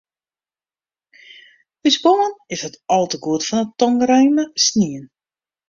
Us buorman is wat al te goed fan 'e tongrieme snien.